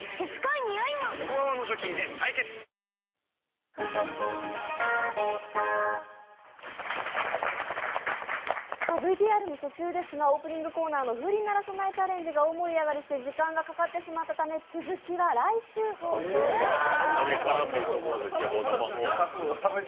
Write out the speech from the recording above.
お試し容量もＶＴＲの途中ですが、オープニングコーナーの風鈴鳴らさないチャレンジが大盛り上がりして、時間がかかってしまったため、続きは来週放送します。